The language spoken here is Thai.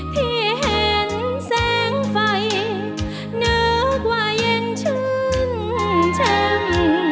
ที่เห็นแสงไฟนึกว่ายังชื่นชม